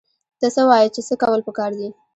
ته څه وايې چې څه کول پکار دي؟